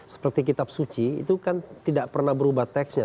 seperti kitab suci itu kan tidak pernah berubah teksnya